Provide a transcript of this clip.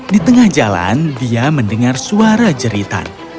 di tengah jalan dia mendengar suara jeritan